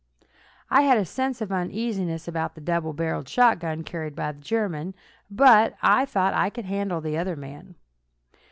I had a sense of uneasiness about the double barrelled shotgun carried by the German, but I thought I could handle the other man.